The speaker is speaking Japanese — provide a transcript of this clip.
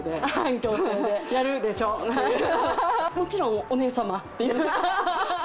もちろんお姉様！という。